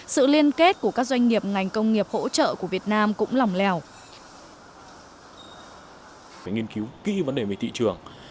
sự liên kết của các doanh nghiệp ngành công nghiệp hỗ trợ